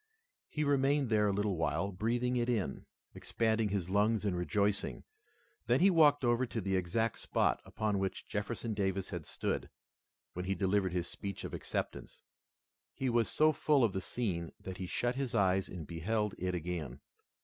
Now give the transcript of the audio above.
He remained there a little while, breathing it in, expanding his lungs, and rejoicing. Then he walked over to the exact spot upon which Jefferson Davis had stood, when he delivered his speech of acceptance. He was so full of the scene that he shut his eyes and beheld it again.